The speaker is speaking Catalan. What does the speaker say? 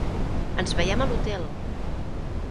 Ens veiem a l'hotel!